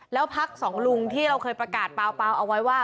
แล้วพักสองลุงที่เราเคยประกาศเปล่าเอาไว้ว่า